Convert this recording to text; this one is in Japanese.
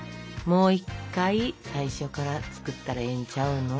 もう１回最初から作ったらええんちゃうの。